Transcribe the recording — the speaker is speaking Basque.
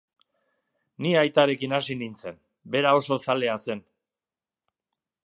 Ni aitarekin hasi nintzen, bera oso zalea zen.